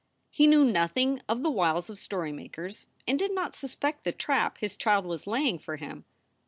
He knew nothing of the wiles of story makers and did not suspect the trap his child was laying for him.